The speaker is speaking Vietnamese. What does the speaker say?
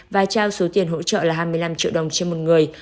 và trao số tiền hỗ trợ là hai mươi năm triệu đồng trên một người